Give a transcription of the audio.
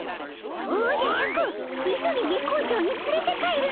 おじゃシャク急ぎ月光町に連れて帰るのじゃ。